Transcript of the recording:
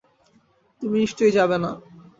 তুমি নিশ্চই যাবেনা।